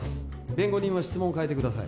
弁護人は質問を変えてください